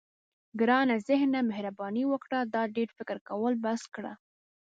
ګرانه ذهنه مهرباني وکړه دا ډېر فکر کول بس کړه.